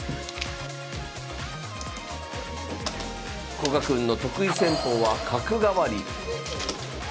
古賀くんの得意戦法は角換わり。